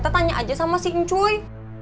saya tanya aja sama si incuy